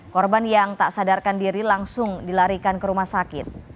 korban yang tak sadarkan diri langsung dilarikan ke rumah sakit